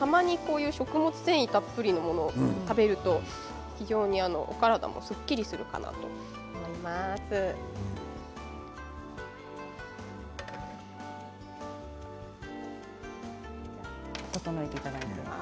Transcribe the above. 食物繊維たっぷりなものを食べると体がすっきりするかなと思います。